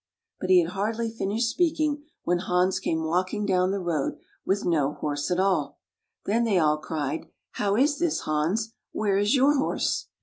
" But he had hardly finished speaking when Hans came walking down the road with no horse at all. Then they all cried, " How is this, Hans? Where is your horse?